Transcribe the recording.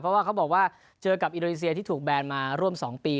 เพราะว่าเขาบอกว่าเจอกับอินโดนีเซียที่ถูกแบนมาร่วม๒ปี